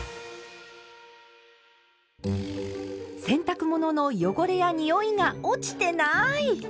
洗濯物の汚れやにおいが落ちてない！